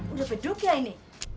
udah beduk ya ini